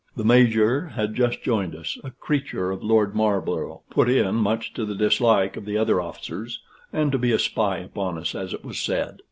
The Major had just joined us a creature of Lord Marlborough, put in much to the dislike of the other officers, and to be a spy upon us, as it was said.